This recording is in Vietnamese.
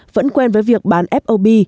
vẫn quen với việc bán fob